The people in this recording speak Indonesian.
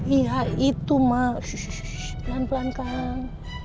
iya itu ma shhh pelan pelan kan